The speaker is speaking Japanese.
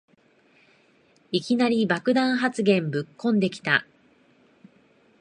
いきなり爆弾発言ぶっこんできた